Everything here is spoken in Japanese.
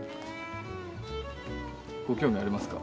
ご興味ありますか？